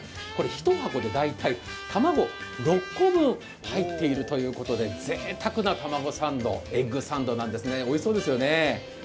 一箱で大体、卵６個分入っているということでぜいたくなエッグサンド、おいしそうですよね。